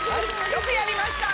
よくやりました！